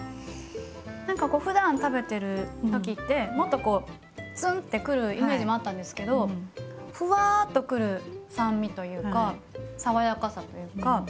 何かこうふだん食べてる時ってもっとツンってくるイメージもあったんですけどふわっとくる酸味というか爽やかさというか。